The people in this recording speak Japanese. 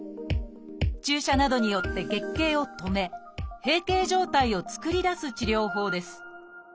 注射などによって月経を止め閉経状態を作り出す治療法です